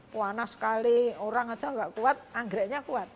panas sekali orang saja enggak kuat anggreknya kuat